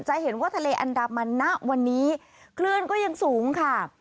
จะเห็นว่าทะเลอันดามันณวันนี้คลื่นก็ยังสูงค่ะ